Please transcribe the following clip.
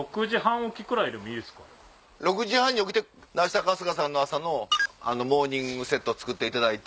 ６時半に起きて明日春日さんにモーニングセット作っていただいて。